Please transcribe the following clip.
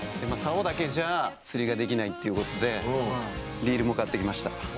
竿だけじゃ釣りができないっていうことでリールも買って来ました。